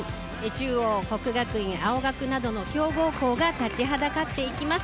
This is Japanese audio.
中央、國學院、青学などの強豪校が立ちはだかっていきます。